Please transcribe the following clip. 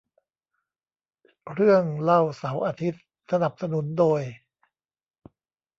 เรื่องเล่าเสาร์อาทิตย์ สนับสนุนโดย